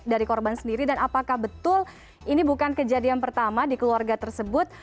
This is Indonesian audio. dan apakah betul ini bukan kejadian pertama di keluarga tersebut